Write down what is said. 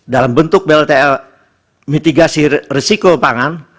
dalam bentuk bltl mitigasi risiko pangan